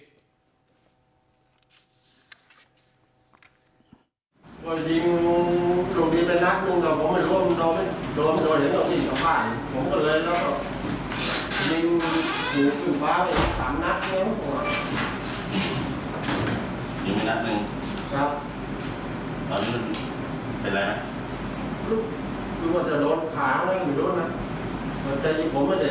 แต่ว่าชีวิตเรากับปู่นี่มันคงจะแสดงไปโดนยังไง